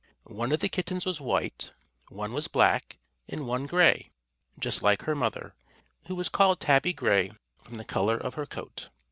One of the kittens was white, one was black, and one gray, just like her mother, who was called Tabby Gray from the color of her coat.